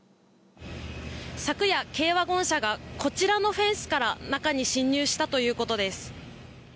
昨夜、軽ワゴン車がこちらのフェンスから中に侵入したということです。